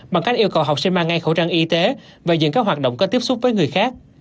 bằng cách yêu cầu học sinh mang ngay khẩu trang y tế và dừng các hoạt động có tiếp xúc với người khác